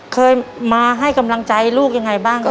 เคยมาให้กำลังใจลูกยังไงบ้างครับ